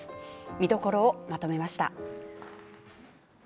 見どころをまとめました。